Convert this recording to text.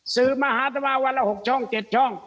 สื่อมหาธมาวันละ๖ช่อง๗ช่อง